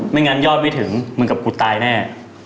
ไม่งั้นยอดไม่ถึงมึงกับกูตายแน่